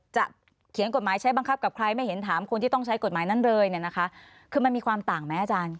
เขียนกฎหมายใช้บังคับกับใครไม่เห็นถามคนที่ต้องใช้กฎหมายนั้นเลยเนี่ยนะคะคือมันมีความต่างไหมอาจารย์